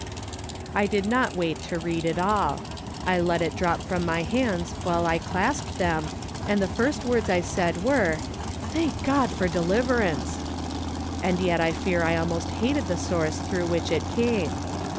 I did not wait to read it all. I let it drop from my hands while I clasped them, and t)ie first words I said were, " Thank God for deliverance !" And yet I fear I almost hated the source through which it came.